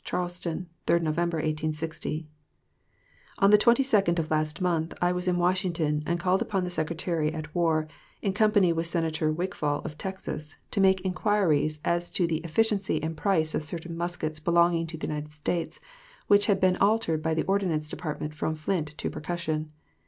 CHARLESTON, 3d Nov., 1860. On the 22d of last month I was in Washington, and called upon the Secretary at War, in company with Senator Wigfall, of Texas, to make inquiries as to the efficiency and price of certain muskets belonging to the United States, which had been altered by the Ordnance Department from flint to percussion.